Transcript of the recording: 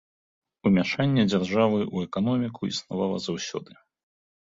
Умяшанне дзяржавы ў эканоміку існавала заўсёды.